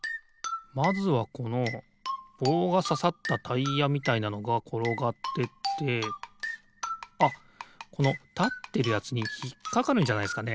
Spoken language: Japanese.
まずはこのぼうがささったタイヤみたいなのがころがってってあっこのたってるやつにひっかかるんじゃないすかね？